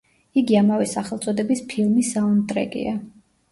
იგი ამავე სახელწოდების ფილმის საუნდტრეკია.